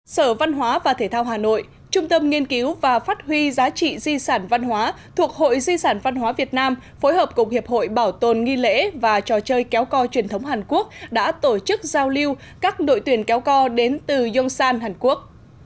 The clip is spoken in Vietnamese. sở văn hóa và thể thao hà nội trung tâm nghiên cứu và phát huy giá trị di sản văn hóa thuộc hội di sản văn hóa việt nam phối hợp cùng hiệp hội bảo tồn nghi lễ và trò chơi kéo co truyền thống hàn quốc đã tổ chức giao lưu các đội tuyển kéo co đến từ yongsan hàn quốc